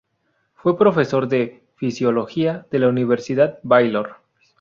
Fue profesor de Fisiología de la Universidad Baylor.